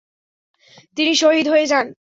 তিনি শহীদ হয়ে যান।